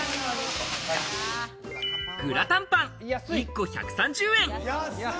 グラタンパン、１個１３０円。